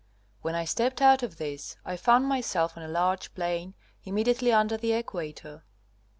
When I stepped out of this I found myself on a large plain immediately under the equator.